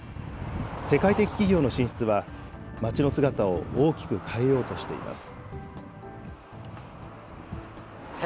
世界的企業の進出は、町の姿を大きく変えようとしています。